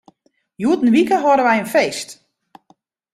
Hjoed in wike hâlde wy in feest.